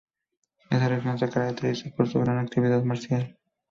Esta región se caracteriza por su gran actividad marcial.